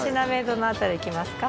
どの辺りいきますか？